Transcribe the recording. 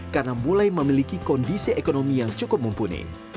karena mulai memiliki kondisi ekonomi yang cukup mumpuni